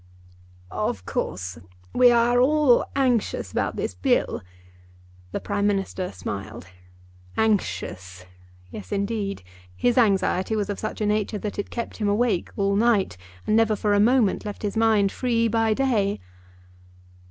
"Of course we are all anxious about this Bill." The Prime Minister smiled. Anxious! Yes, indeed. His anxiety was of such a nature that it kept him awake all night, and never for a moment left his mind free by day.